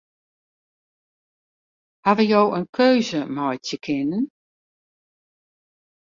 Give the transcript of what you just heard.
Hawwe jo in keuze meitsje kinnen?